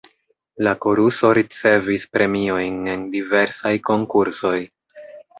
La koruso ricevis premiojn en diversaj konkursoj.